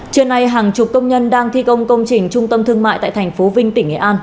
trưa nay hàng chục công nhân đang thi công công trình trung tâm thương mại tại thành phố vinh tỉnh nghệ an